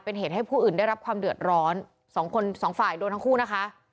เป็นเหตุให้ผู้อื่นได้รับความเดือดร้อนสองคนสองฝ่ายโดนทั้งคู่นะคะ